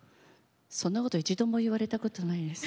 そんなこと一度も言われたことないです。